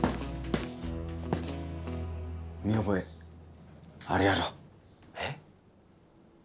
見覚えあるやろ？え？